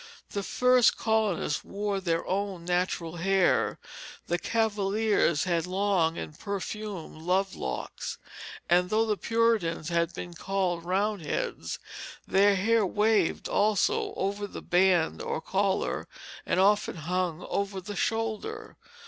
The first colonists wore their own natural hair. The Cavaliers had long and perfumed love locks; and though the Puritans had been called Roundheads, their hair waved, also, over the band or collar, and often hung over the shoulder.